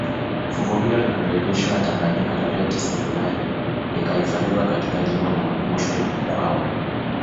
Fuvu hilo lilirejeshwa Tanganyika tarehe tisa Julai likahifadhiwa katika jengo la makumbusho ya Mkwawa